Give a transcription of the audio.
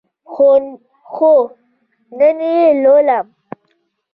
هو، نن یی لولم